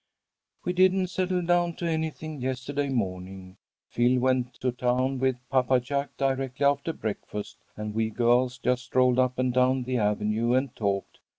"We didn't settle down to anything yesterday morning. Phil went to town with Papa Jack directly after breakfast, and we girls just strolled up and down the avenue and talked.